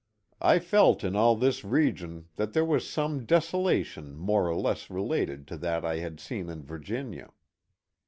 I felt in all this region that there was some desolation more or less related to that I had seen in Virginia.